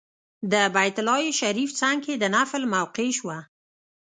د بیت الله شریف څنګ کې د نفل موقع شوه.